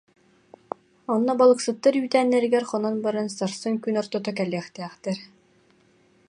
Онно балык- сыттар үүтээннэригэр хонон баран сарсын күн ортото кэлиэхтээхтэр